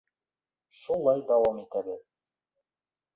Шулай дауам итәбеҙ.